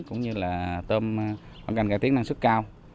cũng như là tôm quảng canh cải tiến năng sức cao